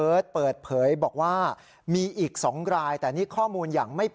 รวมทั้งหมด๒๔รายนะฮะ